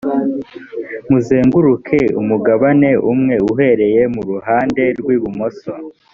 muzenguruke umugabane umwe uhereye mu ruhande rwibumoso.